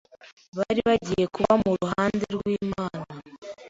bari bagiye kuba mu ruhande rw’Imana